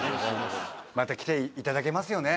また来ていただけますよね？